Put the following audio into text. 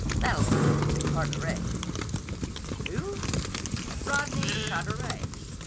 That'll be Carteret." "Who?" "Rodney Carteret."